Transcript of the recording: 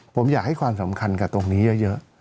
ผมอยากให้ความสำคัญกับตรงนี้เยอะ